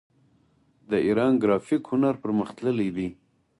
د ایران ګرافیک هنر پرمختللی دی.